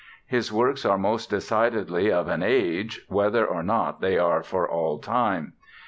His works are most decidedly of an age, whether or not they are for all time!